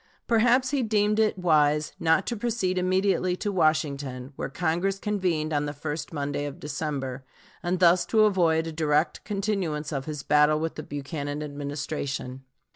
Perhaps he deemed it wise not to proceed immediately to Washington, where Congress convened on the first Monday of December, and thus to avoid a direct continuance of his battle with the Buchanan Administration.